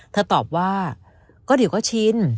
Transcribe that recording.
ตอบว่าก็เดี๋ยวก็ชิน